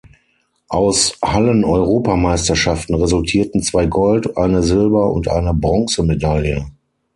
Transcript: Aus Halleneuropameisterschaften resultierten zwei Gold-, eine Silber- und eine Bronzemedaille.